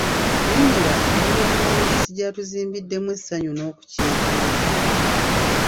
Nnyonnyola engeri omuwandiisi gy’atuzimbiddemu essanyu n’okuceekeera.